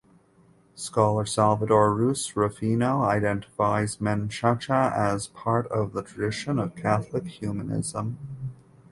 Scholar Salvador Rus Rufino identifies Menchaca as part of the tradition of Catholic humanism.